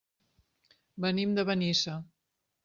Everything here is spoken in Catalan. Venim de Benissa.